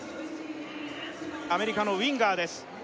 アメリカのウィンガーです